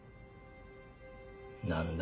何だ？